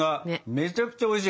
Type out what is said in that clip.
めちゃくちゃおいしい。